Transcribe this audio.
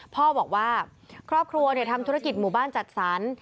พ่อบอกว่าครอบครัวทำธุรกิจหมู่บ้านจัดสรร